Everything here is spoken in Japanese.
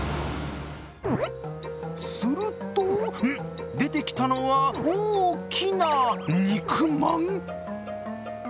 すると、出てきたのは大きな肉まん！？